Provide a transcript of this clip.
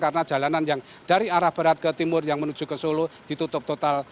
karena jalanan yang dari arah barat ke timur yang menuju ke solo ditutup total